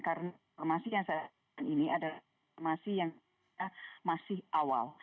karena informasi yang saya sampaikan ini adalah informasi yang masih awal